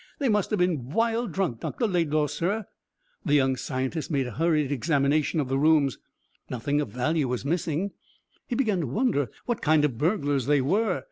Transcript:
They must have been wild drunk, Dr. Laidlaw, sir!" The young scientist made a hurried examination of the rooms. Nothing of value was missing. He began to wonder what kind of burglars they were.